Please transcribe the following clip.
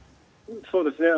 そうですね。